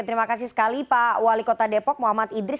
terima kasih sekali pak wali kota depok muhammad idris